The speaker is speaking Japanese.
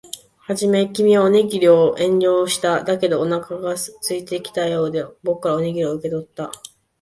はじめ、君はおにぎりを遠慮した。だけど、お腹が空いていたようで、僕からおにぎりを受け取った。